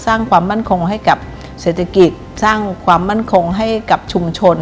สร้างความมั่นคงให้กับเศรษฐกิจสร้างความมั่นคงให้กับชุมชน